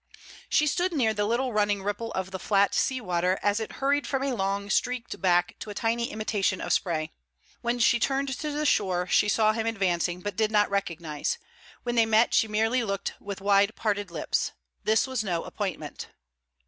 She stood near the little running ripple of the flat sea water, as it hurried from a long streaked back to a tiny imitation of spray. When she turned to the shore she saw him advancing, but did not recognize; when they met she merely looked with wide parted lips. This was no appointment.